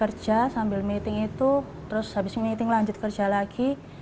kerja sambil meeting itu terus habis meeting lanjut kerja lagi